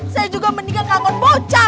saya juga mendingan kangen bocah